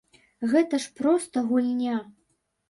Гэта ж проста гульня.